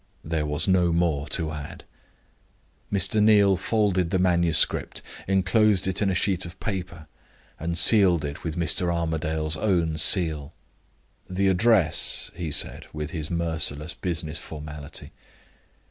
There was no more to add. Mr. Neal folded the manuscript, inclosed it in a sheet of paper, and sealed it with Mr. Armadale's own seal. "The address?" he said, with his merciless business formality.